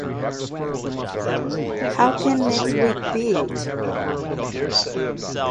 How can next week be it?